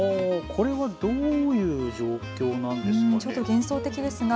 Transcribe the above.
これはどういう状況なんですか。